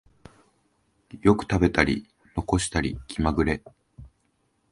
よく食べたり残したり気まぐれ